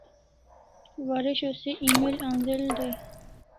Waresho se email anz'el dai